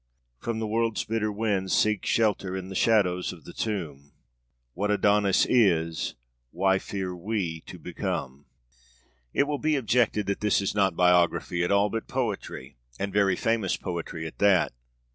From the world's bitter wind seek shelter in the shadows of the tomb. What Adonaïs is, why fear we to become? It will be objected that this is not biography at all, but poetry, and very famous poetry at that.